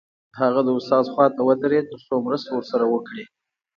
هغه د استاد خواته ودرېد تر څو مرسته ورسره وکړي